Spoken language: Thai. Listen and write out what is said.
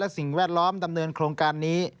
สิ่งแวดล้อมดำเนินโครงการนี้